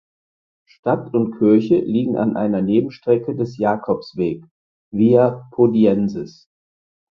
Stadt und Kirche liegen an einer Nebenstrecke des Jakobswegs "(Via Podiensis)".